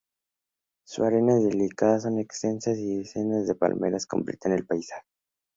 Su arena es delicada, son extensas, y decenas de palmeras completan el paisaje.